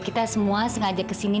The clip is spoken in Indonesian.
kita semua sengaja ke sini